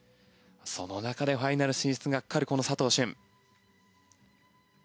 その中でファイナル進出がかかるこの佐藤駿。